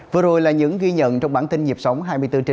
vừa rồi là những ghi nhận trong bản tin dịp sống hai mươi bốn h bảy